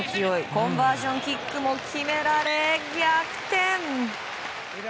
コンバージョンキックも決められ、逆転。